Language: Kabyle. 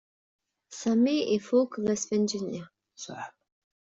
Sami ifuk lesfenǧ-nni.